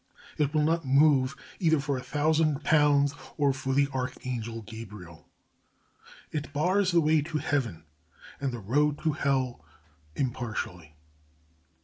It will not move either for a thousand pounds or for the Archangel Gabriel. It bars the way to Heaven and the road to Hell impartially.